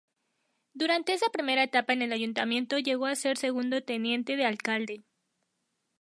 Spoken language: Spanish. Durante esa primera etapa en el Ayuntamiento llegó a ser segundo teniente de alcalde.